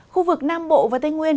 khu vực nam bộ và tây nguyên